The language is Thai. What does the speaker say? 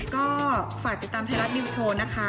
ก็ฝากติดตามไทรดดีโอโชว์นะคะ